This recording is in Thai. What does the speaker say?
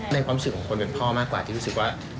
ความรู้สึกของคนเป็นพ่อมากกว่าที่รู้สึกว่า